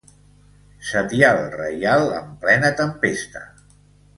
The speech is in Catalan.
Setial reial en plena tempesta.